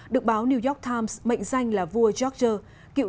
được báo new york times mệnh danh là vua giorgio